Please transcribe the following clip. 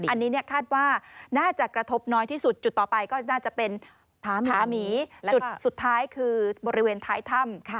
อันนี้คาดว่าน่าจะกระทบน้อยที่สุดจุดต่อไปก็น่าจะเป็นผาหาหมีจุดสุดท้ายคือบริเวณท้ายถ้ำ